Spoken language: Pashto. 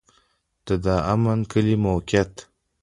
د دامن کلی موقعیت